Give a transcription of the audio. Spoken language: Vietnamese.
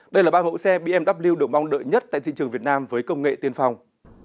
đây là ba mẫu xe bmw được mong đợi nhất tại thị trường việt nam với công nghệ tiên phong